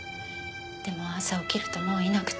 でも朝起きるともういなくて。